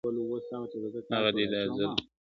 هغه دي دا ځل پښو ته پروت دی، پر ملا خم نه دی,